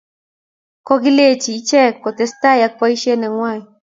Kokilenji ichek kotestai ak boishet neng'wai